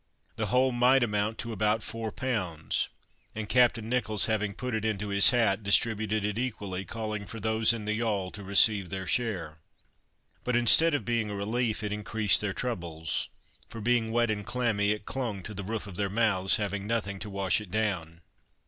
The whole might amount to about four pounds; and Captain Nicholls having put it into his hat, distributed it equally, calling for those in the yawl to receive their share. But instead of being a relief, it increased their troubles, for being wet and clammy, it hung to the roof of their mouths, having nothing to wash it down.